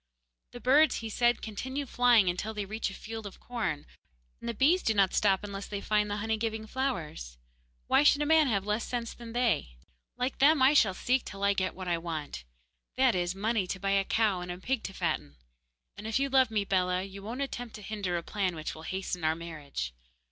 'The birds,' he said, 'continue flying until they reach a field of corn, and the bees do not stop unless they find the honey giving flowers, and why should a man have less sense than they? Like them, I shall seek till I get what I want that is, money to buy a cow and a pig to fatten. And if you love me, Bellah, you won't attempt to hinder a plan which will hasten our marriage.